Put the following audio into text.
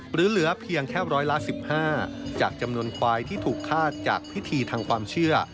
เหลือเพียงแค่ร้อยละ๑๕จากจำนวนควายที่ถูกคาดจากพิธีทางความเชื่อ